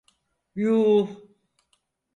Yuuh!